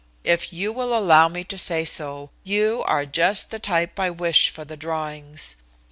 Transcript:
If you will allow me to say so, you are just the type I wish for the drawings.